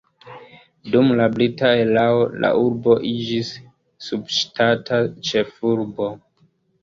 Dum la brita erao la urbo iĝis subŝtata ĉefurbo.